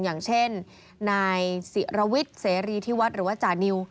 อย่างเช่นนายศิรวิทย์เสรีที่วัดหรือว่าจานิว